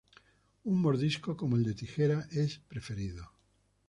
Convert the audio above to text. Un mordisco como el de tijeras es preferido.